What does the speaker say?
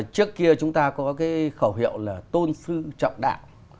trước kia chúng ta có cái khẩu hiệu là tôn sư trọng đạo